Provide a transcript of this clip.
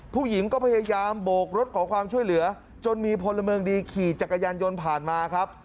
ผู้หญิงก็พยายามโบกรถขอความช่วยเหลือจนมีพลเมืองดีขี่จักรยานยนต์ผ่านมาครับ